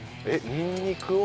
にんにくを。